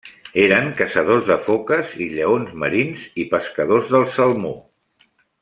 Eren caçadors de foques i lleons marins i pescadors del salmó.